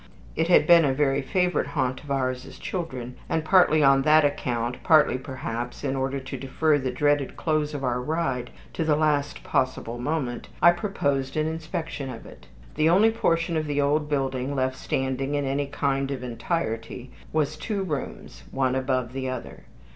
It had been a very favorite haunt of ours as children, and partly on that account, partly perhaps in order to defer the dreaded close of our ride to the last possible moment, I proposed an inspection of it. The only portion of the old building left standing in any kind of entirety was two rooms, one above the other.